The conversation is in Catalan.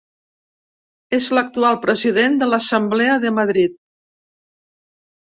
És l'actual president de l'Assemblea de Madrid.